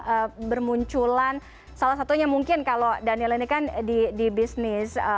kemudian bermunculan salah satunya mungkin kalau daniel ini kan di bisnis